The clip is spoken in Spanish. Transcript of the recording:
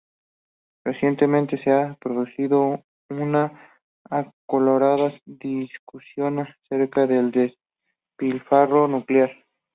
Recientemente, se ha producido una acalorada discusión acerca del despilfarro nuclear.